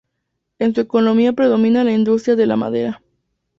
En su economía predomina la industria de la madera.